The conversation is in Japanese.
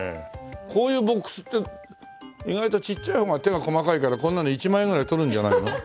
こういうボックスって意外とちっちゃい方が手が細かいからこんなの１万円ぐらい取るんじゃないの？